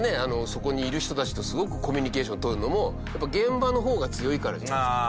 そこにいる人たちとすごくコミュニケーション取るのも現場の方が強いからじゃないですか。